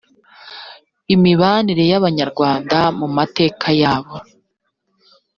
imibanire y abanyarwanda mu mateka yabo